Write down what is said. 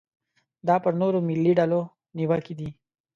دا پر نورو ملي ډلو نیوکې دي.